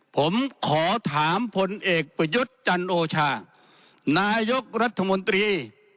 ผมขอถามพลเอกประยุทธ์จันโอชานายกรัฐมนตรี